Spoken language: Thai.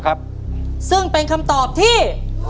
ก็เพิ่งเป็นคำตอบที่